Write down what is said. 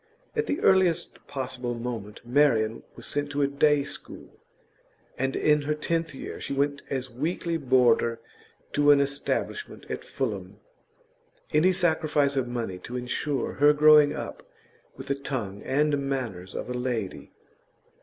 At the earliest possible moment Marian was sent to a day school, and in her tenth year she went as weekly boarder to an establishment at Fulham; any sacrifice of money to insure her growing up with the tongue and manners of a lady.